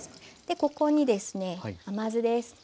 ここにですね甘酢です。